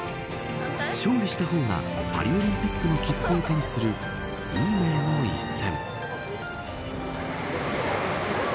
勝利した方がパリオリンピックの切符を手にする運命の一戦。